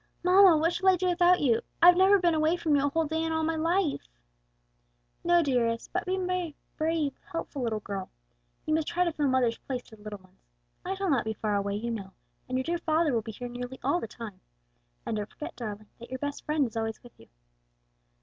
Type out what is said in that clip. "Mamma, what shall I do without you? I've never been away from you a whole day in all my life." "No, dearest, but be my brave, helpful little girl. You must try to fill mother's place to the little ones. I shall not be far away, you know, and your dear father will be here nearly all the time. And don't forget, darling, that your best Friend is always with you."